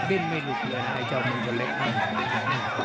ดิ้นไม่หลุดเลยนะไอ้เจ้ามือจะเล็กมากเลย